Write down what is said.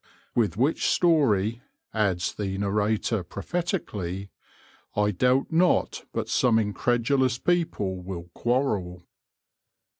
" With which story/' adds the narrator prophetically, " I doubt not but some incredulous people will quarrell."